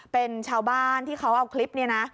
เป็นชาวบ้านที่เขาเอาคลิปนี้นะ